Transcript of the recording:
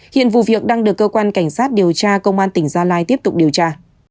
hiện vụ việc đang được cơ quan cảnh sát điều tra công an tỉnh gia lai tiếp tục điều tra